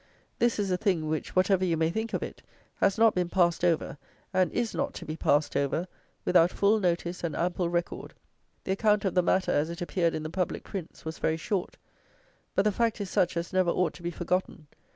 This is a thing, which, whatever you may think of it, has not been passed over, and is not to be passed over, without full notice and ample record. The account of the matter, as it appeared in the public prints, was very short; but the fact is such as never ought to be forgotten.